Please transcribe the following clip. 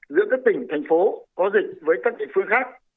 giữa các tỉnh thành phố có dịch với các địa phương khác